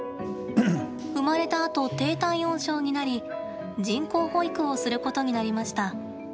生まれたあと低体温症になり人工哺育をすることになりました。